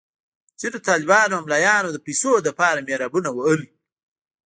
ځینو طالبانو او ملایانو د پیسو لپاره محرابونه وهل.